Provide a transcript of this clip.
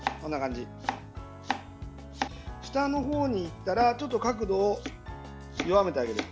下のほうにいったらちょっと角度を弱めてあげる。